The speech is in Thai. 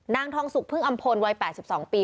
นางทองสุกพึ่งอำพลวัย๘๒ปี